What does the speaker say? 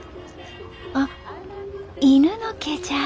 あっ犬の毛じゃあ。